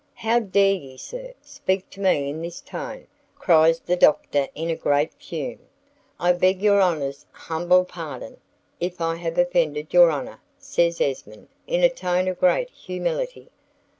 How dare ye, sir, speak to me in this tone?" cries the Doctor, in a great fume. "I beg your honor's humble pardon if I have offended your honor," says Esmond in a tone of great humility.